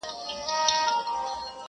علم ته تلکه سوه عقل لاري ورکي کړې!